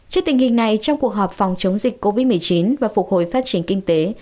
trước tình hình này trong cuộc họp phòng chống dịch covid một mươi chín và phục hồi phát triển kinh tế